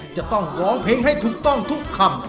จะต้องร้องเพลงให้ถูกต้องทุกคำ